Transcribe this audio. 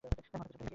মাথার পিছনটা দেখি?